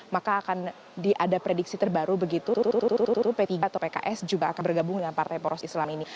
maka akan diadap prediksi terbaru begitu p tiga atau pks juga akan bergabung dengan partai poros islam ini